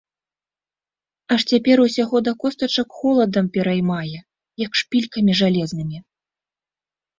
Аж цяпер усяго да костачак холадам пераймае, як шпількамі жалезнымі.